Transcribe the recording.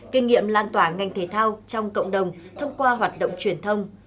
kinh nghiệm lan tỏa ngành thể thao trong cộng đồng thông qua hoạt động truyền thông